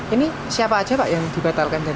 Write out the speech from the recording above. ini siapa aja pak yang dibatalkan